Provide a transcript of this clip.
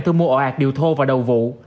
thu mua ọ ạc điều thô và đầu vụ